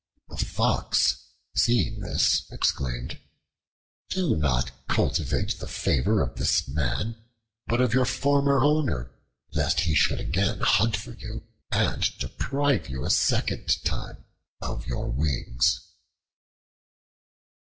A Fox, seeing this, exclaimed, "Do not cultivate the favor of this man, but of your former owner, lest he should again hunt for you and deprive you a second time of your wings."